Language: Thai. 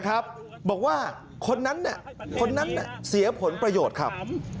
ครับบอกว่าคนนั้นอ่ะคนนั้นน่ะเสียผลประโยชน์ครับ